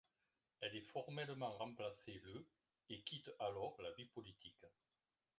Elle est formellement remplacée le et quitte alors la vie politique.